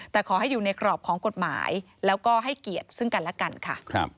แต่ขอให้อยู่ในกรอบของกฎหมายแล้วก็ให้เกียรติซึ่งกันและกันค่ะ